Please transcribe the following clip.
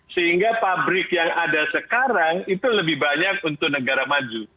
sehingga pabrik yang ada sekarang itu lebih banyak untuk negara maju